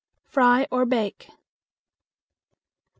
Fry or bake. 37.